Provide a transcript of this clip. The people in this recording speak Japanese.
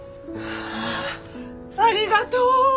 ああありがとう！